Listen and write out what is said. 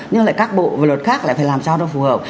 nhưng lại các bộ và luật khác lại phải làm sao cho phù hợp